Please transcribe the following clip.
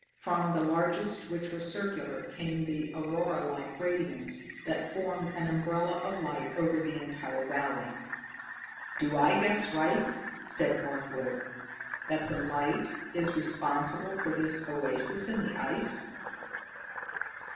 From the largest, which was circular, came the auroralike radiance that formed an umbrella of light over the entire valley. "Do I guess right," said Northwood, "that the light is responsible for this oasis in the ice?"